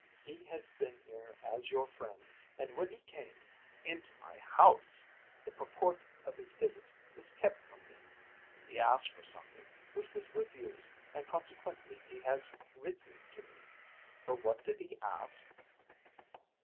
He has been here as your friend, and when he came, into my house, the purport of his visit was kept from me. He asked for something, which was refused, and consequently he has written to me. For what did he ask?"